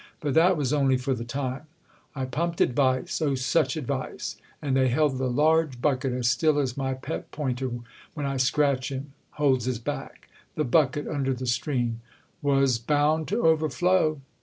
But that was only for the time: I pumped advice—oh such advice!—and they held the large bucket as still as my pet pointer, when I scratch him, holds his back. The bucket, under the stream—" "Was bound to overflow?"